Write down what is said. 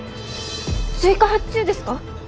追加発注ですか？